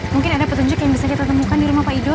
mungkin ada petunjuk yang bisa kita temukan di rumah pak ido